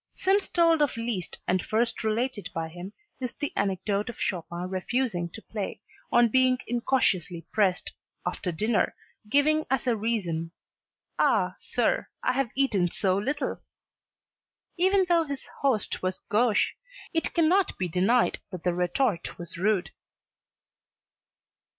Since told of Liszt and first related by him, is the anecdote of Chopin refusing to play, on being incautiously pressed, after dinner, giving as a reason "Ah, sir, I have eaten so little!" Even though his host was gauche it cannot be denied that the retort was rude.